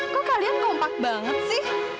kok kalian kompak banget sih